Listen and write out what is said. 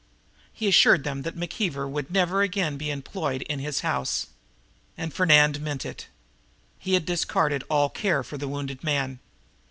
He assured them that McKeever would never again be employed in his house. And Fernand meant it. He had discarded all care for the wounded man.